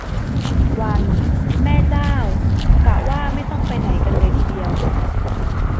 วัน แม่เจ้า กะว่าไม่ต้องไปไหนกันเลยทีเดียว